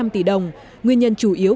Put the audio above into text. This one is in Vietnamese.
một năm trăm linh tỷ đồng nguyên nhân chủ yếu